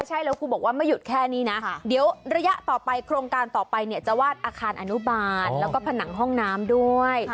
ใช่แล้วครูบอกว่าไม่หยุดแค่นี้นะเดี๋ยวระยะต่อไปโครงการต่อไปเนี่ยจะวาดอาคารอนุบาลแล้วก็ผนังห้องน้ำด้วย